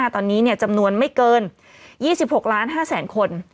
ตอนนี้เนี่ยจำนวนไม่เกิน๒๖๕๐๐๐๐๐คน